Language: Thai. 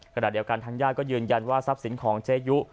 ขณะเดียวกันทางญาติก็ยืนยันว่าทรัพย์สินของเจยุ